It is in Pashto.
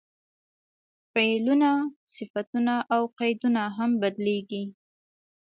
فعلونه، صفتونه او قیدونه هم بدلېږي.